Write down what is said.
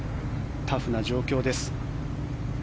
タフな状況です。